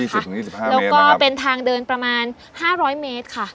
สูงยี่สิบถึงยี่สิบห้าเมตรนะครับแล้วก็เป็นทางเดินประมาณห้าร้อยเมตรค่ะ